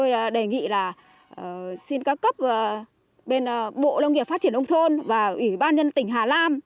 vậy là xin các cấp bên bộ lông nghiệp phát triển đông thôn và ủy ban nhân tỉnh hà nam